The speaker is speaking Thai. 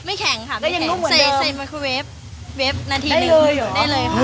ไม่แข็งค่ะไม่แข็งแต่ยังนุ่มเหมือนเดิมเสร็จเมคโครเวฟเวฟนาทีหนึ่งได้เลยเหรอ